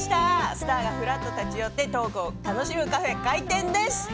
スターがふらっと立ち寄ってトークを楽しむカフェ、開店です。